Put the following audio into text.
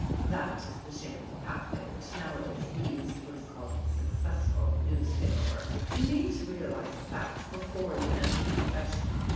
That is the shameful pathway which nowadays leads to what is called "successful newspaper work." You need to realize the facts before you enter the profession.